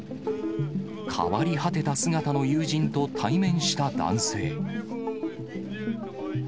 変わり果てた姿の友人と対面した男性。